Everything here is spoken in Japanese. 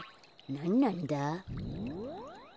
なんなんだ？